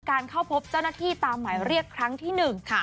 เข้าพบเจ้าหน้าที่ตามหมายเรียกครั้งที่หนึ่งค่ะ